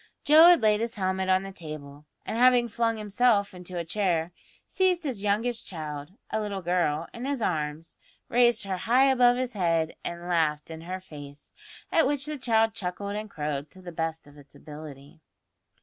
Joe had laid his helmet on the table, and, having flung himself into a chair, seized his youngest child, a little girl, in his arms, raised her high above his head and laughed in her face; at which the child chuckled and crowed to the best of its ability.